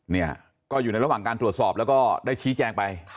เนี่ยก็อยู่ในระหว่างการตรวจสอบแล้วก็ได้ชี้แจงไป